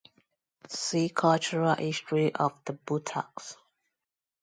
See Cultural history of the buttocks.